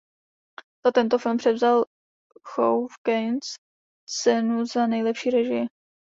Za tento film převzal Chou v Cannes cenu za nejlepší režii.